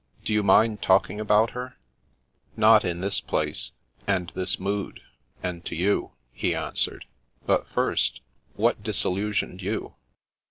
Do you mind talking about her ?"" Not in this place — ^and this mood — ^and to you," he answered. " But first — ^what disillusioned you